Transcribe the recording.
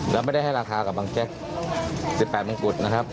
แล้วไม่ได้ให้ราคากับบังแจ๊ก๑๘มงกุฎนะครับ